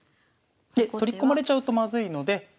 で取り込まれちゃうとまずいので。